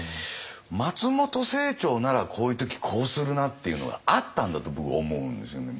松本清張ならこういう時こうするなっていうのがあったんだと僕思うんですよね。